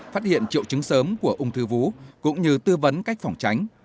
phát hiện triệu chứng sớm của ung thư vú cũng như tư vấn cách phòng tránh